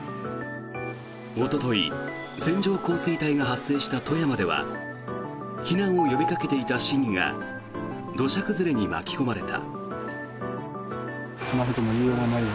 おととい線状降水帯が発生した富山では避難を呼びかけていた市議が土砂崩れに巻き込まれた。